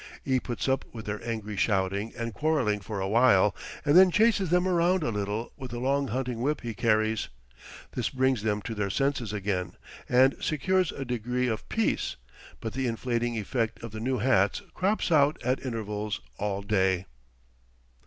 E puts up with their angry shouting and quarrelling for awhile, and then chases them around a little with the long hunting whip he carries. This brings them to their senses again, and secures a degree of peace; but the inflating effect of the new hats crops out at intervals all day.